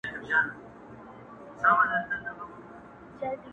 په زړه چي لاس مه وهه گرناې چي له خوبه وځي_